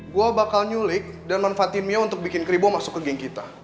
gue bakal nyulik dan manfaatin mia untuk bikin kribow masuk ke gang kita